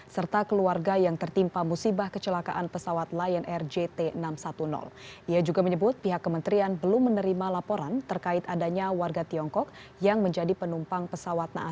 serta keluarga yang tertibat